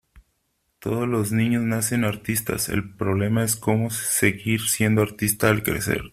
Todos los niños nacen artistas. El problema es cómo seguir siendo artistas al crecer.